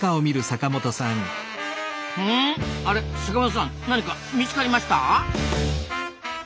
阪本さん何か見つかりました？